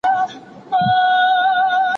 ايا مابعدالطبيعه پوښتنې زياتوي؟